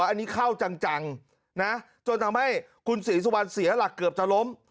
อันนี้เข้าจังนะจนทำให้คุณศรีสุวรรณเสียหลักเกือบจะล้ม